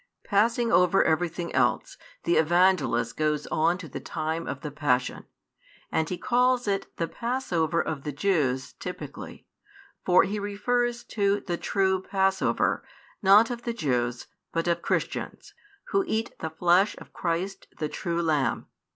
Passing over everything else, the Evangelist goes on to the time of the passion. And he calls it the passover of the Jews typically; for [he refers to] the true Passover, not of the Jews, but of Christians, who eat the Flesh of Christ the true Lamb.